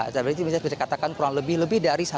jadi ini bisa dikatakan kurang lebih lebih dari